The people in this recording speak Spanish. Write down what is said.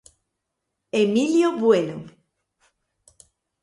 Emilio Bueno.